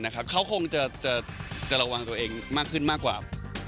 เขาคงจะระวังตัวเองมากขึ้นมากกว่า